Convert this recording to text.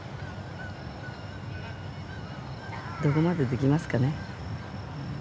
どこまでできますかね。